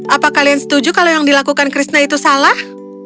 apa kalian setuju kalau yang dilakukan krishna itu salah